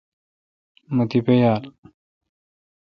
مہ تیپہ یال۔